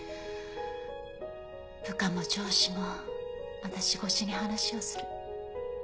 部下も上司も私越しに話をする。